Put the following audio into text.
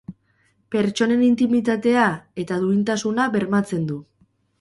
Pertsonen intimitatea eta duintasuna bermatzen du